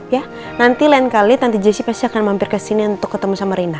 ya nanti lain kali tante jessy pasti akan mampir kesini untuk ketemu sama reina